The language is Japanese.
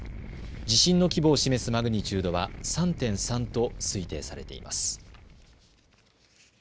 地震の規模を示すマグニチュードは３．３と推定されています。